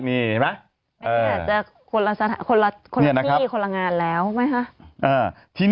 นี่แหละคนละที่คนละงานแล้วไหมคะ